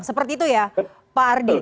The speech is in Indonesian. seperti itu ya pak ardi